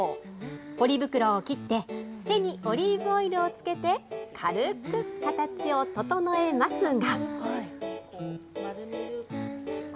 ポリ袋を切って、手にオリーブオイルをつけて軽く形を整えますが。